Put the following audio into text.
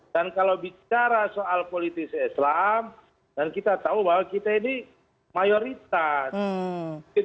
dan kalau bicara soal politisi islam dan kita tahu bahwa kita ini mayoritas